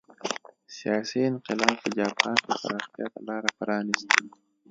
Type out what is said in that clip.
سیاسي انقلاب په جاپان کې پراختیا ته لار پرانېسته.